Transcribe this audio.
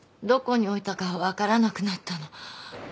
どこに置いたか分からなくなったの。